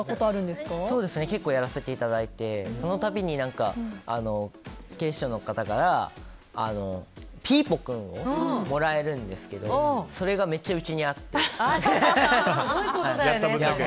結構やらせていただいててその度に警視庁の方からピーポー君をもらえるんですけどそれが、めっちゃ家にあって。